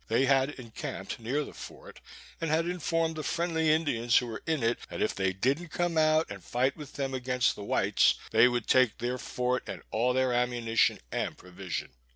They had encamped near the fort, and had informed the friendly Indians who were in it, that if they didn't come out, and fight with them against the whites, they would take their fort and all their ammunition and provision.